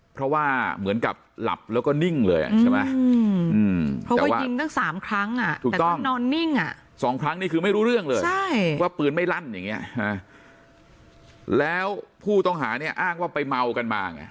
เค้าว่าเหมือนกับหลับและนิ่งเลย